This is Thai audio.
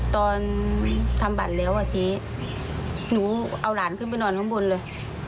ตอนทำบัตรแล้วอ่ะทีนี้หนูเอาหลานขึ้นไปนอนข้างบนเลย